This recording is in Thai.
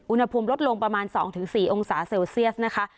อุณหภูมิลดลงประมาณ๒๔องศาเซลเซียสนะคะ